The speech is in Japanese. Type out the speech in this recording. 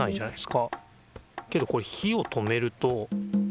けどこれ火を止めると。